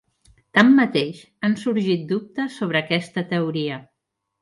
Tanmateix, han sorgit dubtes sobre aquesta teoria.